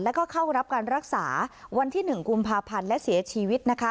แล้วก็เข้ารับการรักษาวันที่๑กุมภาพันธ์และเสียชีวิตนะคะ